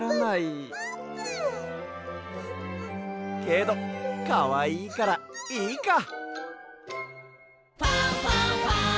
けどかわいいからいいか！